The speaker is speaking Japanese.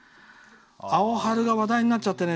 「アオハル」が話題になっちゃってね。